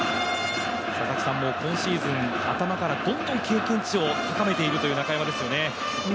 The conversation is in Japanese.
今シーズン、頭からどんどん経験値を高めているという中山ですよね。